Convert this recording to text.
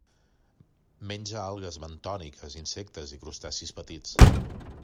Menja algues bentòniques, insectes i crustacis petits.